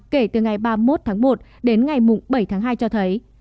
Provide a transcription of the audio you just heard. kể từ ngày ba mươi một tháng một đến ngày bảy tháng hai cho thấy